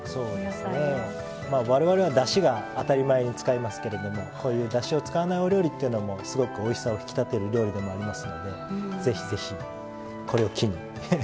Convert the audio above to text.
われわれは、だしが当たり前に使いますけどもこういう、だしを使わないお料理っていうのもすごくおいしさを引き立てる料理でもありますのでぜひぜひ、これを機に。